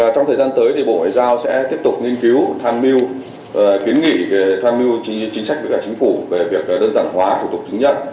trong thời gian tới thì bộ ngoại giao sẽ tiếp tục nghiên cứu tham mưu kiến nghị về tham mưu chính sách với cả chính phủ về việc đơn giản hóa thủ tục chứng nhận